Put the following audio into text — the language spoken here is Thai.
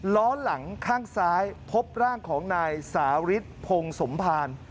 ล้อหลังข้างซ้ายพบร่างของนายสาริสพงสมภาร